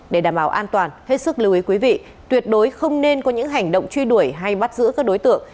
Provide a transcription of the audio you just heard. để đảm bảo an toàn hết sức lưu ý quý vị tuyệt đối không nên có những hành động truy đuổi hay bắt giữ các đối tượng